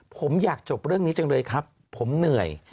ผมอยากจบเรื่องนี้จังเลยครับผมเหนื่อย